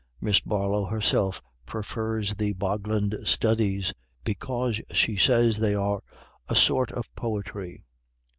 Miss Barlow herself prefers the 'Bogland Studies,' because, she says, they are "a sort of poetry."